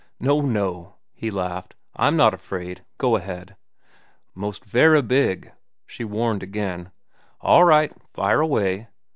"No, no," he laughed, "I'm not afraid. Go ahead." "Most verra big," she warned again. "All right. Fire away."